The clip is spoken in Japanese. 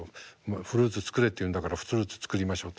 「フルーツ作れ」っていうんだから「フルーツ作りましょう」と。